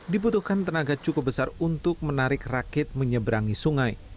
dibutuhkan tenaga cukup besar untuk menarik rakit menyeberangi sungai